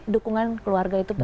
dukungan keluarga itu penting